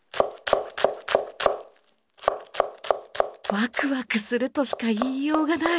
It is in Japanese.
ワクワクするとしか言いようがない。